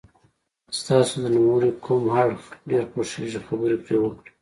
ستاسو د نوموړي کوم اړخ ډېر خوښیږي خبرې پرې وکړئ.